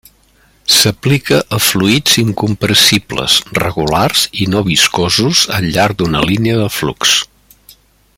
S'aplica a fluids incompressibles, regulars i no viscosos al llarg d'una línia de flux.